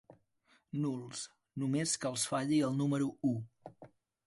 Nuls, només que els falli el número u.